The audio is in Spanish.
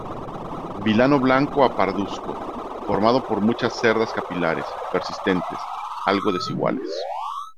Vilano blanco a parduzco, formado por muchas cerdas capilares, persistentes, algo desiguales.